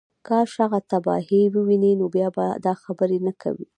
کاش هغه تباهۍ ووینې نو بیا به دا خبرې نه کوې